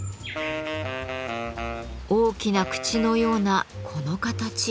大きな口のようなこの形。